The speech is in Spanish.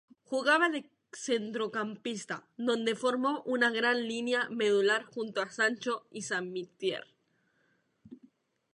Jugaba de centrocampista, donde formó una gran línea medular junto a Sancho y Samitier.